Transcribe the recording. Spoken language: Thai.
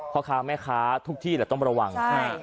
พ่อค้าแม่ค้าทุกที่แหละต้องระวัง